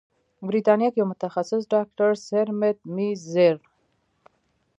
بریتانیا کې یو متخصص ډاکتر سرمید میزیر